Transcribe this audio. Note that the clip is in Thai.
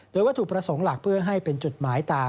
โดยวัตถุประสงค์หลักเพื่อให้เป็นจุดหมายตา